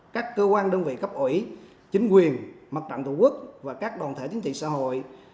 các cơ quan đơn vị cấp ủy chính quyền mặt trận tổ quốc và các đoàn thể chính trị xã hội